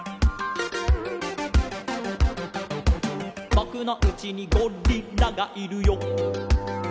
「ぼくのうちにゴリラがいるよ」